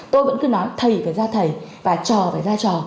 tôi vẫn cứ nói thầy phải ra thầy và trò phải ra trò